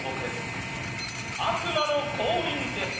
悪魔の降臨です！